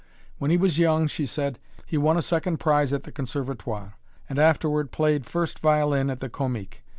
"When he was young," she said, "he won a second prize at the Conservatoire, and afterward played first violin at the Comique.